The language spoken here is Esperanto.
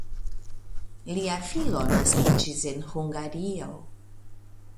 Lia filo naskiĝis en Hungario.